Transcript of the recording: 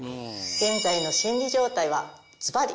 現在の心理状態はズバリ。